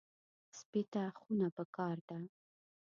سپي ته خونه پکار ده.